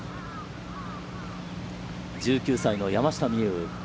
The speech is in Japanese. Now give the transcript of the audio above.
１９歳の山下美夢有。